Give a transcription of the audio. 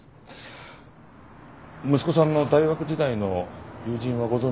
息子さんの大学時代の友人はご存じないですか？